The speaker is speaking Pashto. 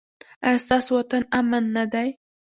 ایا ستاسو وطن امن نه دی؟